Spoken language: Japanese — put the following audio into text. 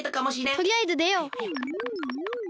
とりあえずでよう！